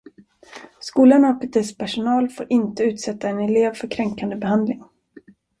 Skolan och dess personal får inte utsätta en elev för kränkande behandling.